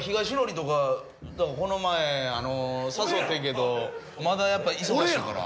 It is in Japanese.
この前誘ってんけどまだやっぱ忙しいから。